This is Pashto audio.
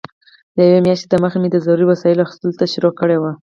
له یوې میاشتې دمخه مې د ضروري وسایلو اخیستلو ته شروع کړې وه.